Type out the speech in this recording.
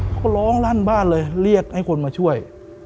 เขาร้องลั่นบ้านเลยเรียกให้คนมาช่วย